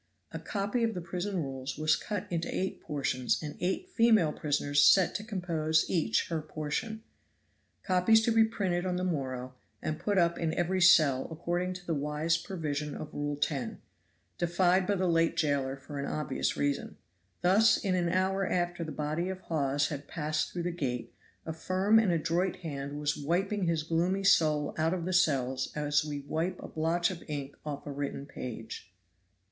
A copy of the prison rules was cut into eight portions and eight female prisoners set to compose each her portion. Copies to be printed on the morrow and put up in every cell, according to the wise provision of Rule 10, defied by the late jailer for an obvious reason. Thus in an hour after the body of Hawes had passed through that gate a firm and adroit hand was wiping his gloomy soul out of the cells as we wipe a blotch of ink off a written page.